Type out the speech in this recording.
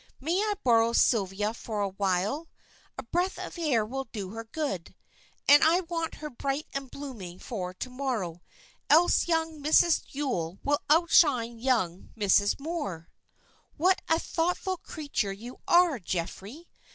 "May I borrow Sylvia for a little while? A breath of air will do her good, and I want her bright and blooming for to morrow, else young Mrs. Yule will outshine young Mrs. Moor." "What a thoughtful creature you are, Geoffrey.